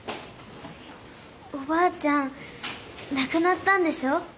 おばあちゃんなくなったんでしょ？